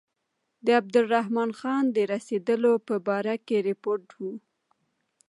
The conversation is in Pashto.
د عبدالرحمن خان د رسېدلو په باره کې رپوټ و.